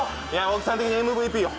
大木さん的にＭＶＰを。